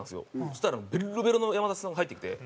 そしたらベロベロの山里さんが入ってきて。